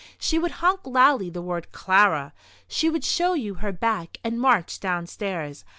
She would honk loudly the word "Clara," she would show you her back, and march downstairs.